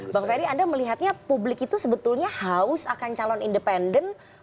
bang ferry anda melihatnya publik itu sebetulnya haus akan calon independen